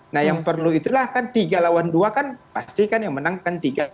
nah yang perlu itulah kan tiga lawan dua kan pasti kan yang menang kan tiga